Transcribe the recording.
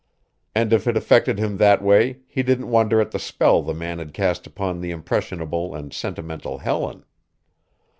And if it affected him that way he didn't wonder at the spell the man had cast upon the impressionable and sentimental Helen.